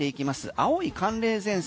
青い寒冷前線